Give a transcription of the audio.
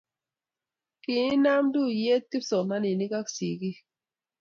kinam tuyee kipsomaninik ak sikik